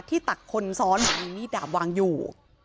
ที่ตักคนซ้อนมีดาบวางอยู่